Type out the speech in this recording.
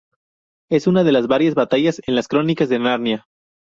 Es una de las varias batallas en las Crónicas de Narnia.